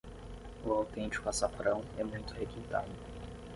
O autêntico açafrão é muito requintado